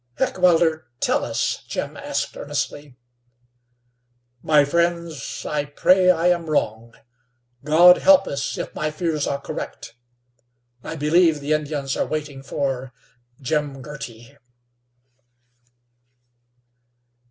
"Heckewelder, tell us?" Jim asked, earnestly. "My friends, I pray I am wrong. God help us if my fears are correct. I believe the Indians are waiting for Jim Girty."